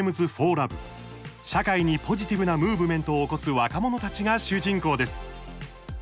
社会にポジティブなムーブメントを起こす若者たちが主人公です。